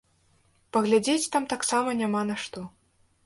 Паглядзець там таксама няма на што.